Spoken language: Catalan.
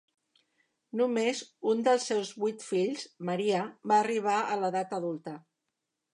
Només un dels seus vuit fills, Maria, va arribar a l'edat adulta.